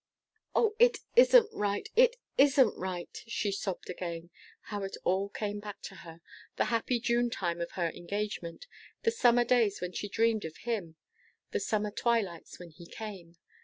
"O, it isn't right! It isn't right!" she sobbed again. How it all came back to her the happy June time of her engagement! the summer days when she dreamed of him, the summer twilights when he came.